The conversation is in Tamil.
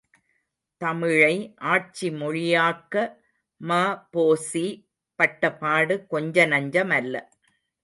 தமிழை ஆட்சி மொழியாக்க ம.பொ.சி.பட்டபாடு கொஞ்ச நஞ்சமல்ல.